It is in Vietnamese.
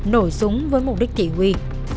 nổi súng với mục đích thị huy